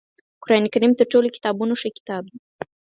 قرآنکریم تر ټولو کتابونو ښه کتاب دی